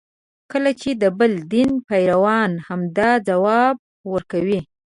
کله چې د بل دین پیروان همدا ځواب ورکړي.